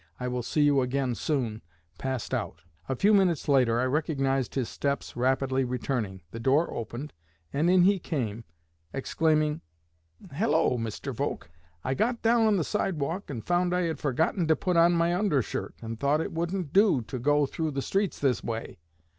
I will see you again soon,' passed out. A few minutes after, I recognized his steps rapidly returning. The door opened and in he came, exclaiming, 'Hello, Mr. Volk! I got down on the sidewalk, and found I had forgotten to put on my undershirt, and thought it wouldn't do to go through the streets this way.'